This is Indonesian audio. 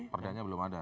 perdanya belum ada